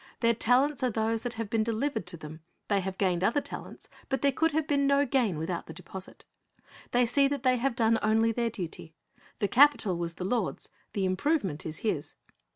Their talents are those that have been delivered to them ; they have gained other talents, but there could have been no gain without the deposit. They see that they have done only their duty. The capital was the Lord's; the improvement is His.